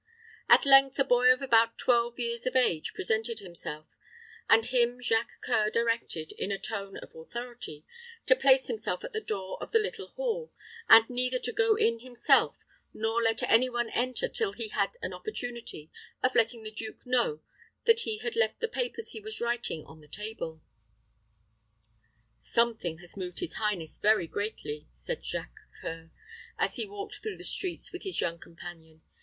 At length a boy of about twelve years of age presented himself, and him Jacques C[oe]ur directed, in a tone of authority, to place himself at the door of the little hall, and neither to go in himself nor let any one enter till he had an opportunity of letting the duke know that he had left the papers he was writing on the table. "Something has moved his highness very greatly," said Jacques C[oe]ur, as he walked through the streets with his young companion.